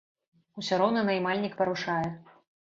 Усё роўна наймальнік парушае.